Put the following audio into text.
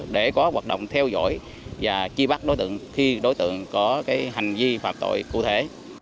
để có hoạt động theo dõi và truy bắt đối tượng khi đối tượng có hành vi phạm tội cụ thể